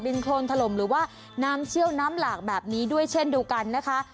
โครนถล่มหรือว่าน้ำเชี่ยวน้ำหลากแบบนี้ด้วยเช่นเดียวกันนะคะ